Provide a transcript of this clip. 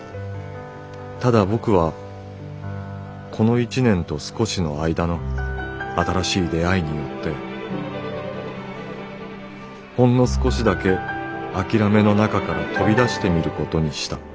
ただ僕はこの一年と少しの間の新しい出会いによってほんの少しだけ諦めの中から飛びだしてみることにした」。